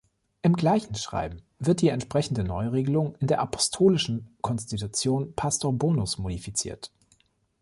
Im gleichen Schreiben wird die entsprechende Neuregelung in der apostolischen Konstitution Pastor Bonus modifiziert.